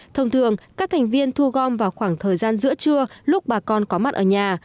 thông thường các thành viên thu gom vào khoảng thời gian giữa trưa lúc bà con có mặt ở nhà